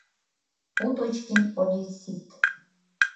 Уточкин одессит.